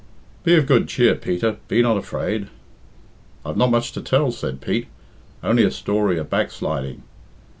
"Be of good cheer, Peter, be not afraid." "I've not much to tell," said Pete "only a story of backsliding.